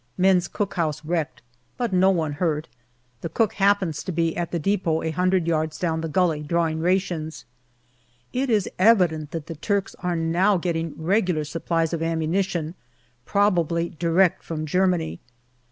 Men's cookhouse wrecked, but no one hurt ; the cook happens to be at the depot a hundred yards down the gully drawing rations. It is evident that the Turks are now getting regular supplies of ammunition, probably direct from Germany.